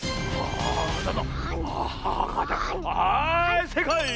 はいせいかい！